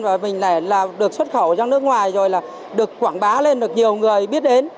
và mình lại là được xuất khẩu ra nước ngoài rồi là được quảng bá lên được nhiều người biết đến